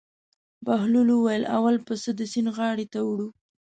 بهلول وویل: اول پسه د سیند غاړې ته وړو.